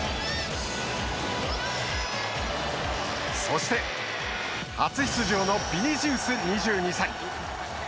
そして、初出場のビニシウス２２歳。